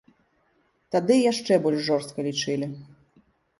Тады яшчэ больш жорстка лічылі.